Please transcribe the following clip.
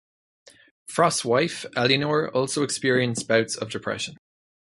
Frost's wife, Elinor, also experienced bouts of depression.